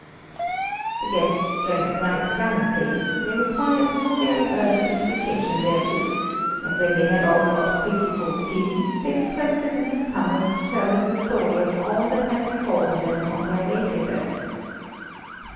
The guests drank right gallantly; they required no very urgent invitation thereto, and when they had all got pretty full skins, they requested the new comers to tell them the story of all that had befallen them on their way thither.